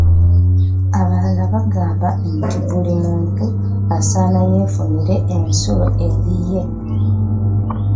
Abalala bagamba nti buli omu asaana yeefunire ensulo eyiye.